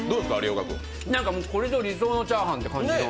なんかこれぞ理想のチャーハンっていう感じの。